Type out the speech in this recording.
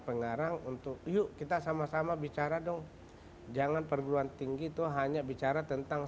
pengarang untuk yuk kita sama sama bicara dong jangan perguruan tinggi itu hanya bicara tentang